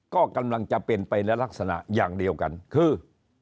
ก็กำลังจะเป็นไปและลักษณะอย่างเดียวกันคือ